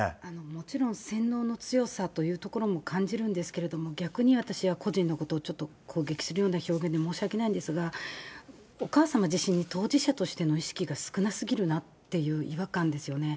もちろん、洗脳の強さというところも感じるんですけれども、逆に、私は個人のことを攻撃するような表現で申し訳ないんですが、お母様自身に当事者としての意識が少なすぎるなっていう、違和感ですよね。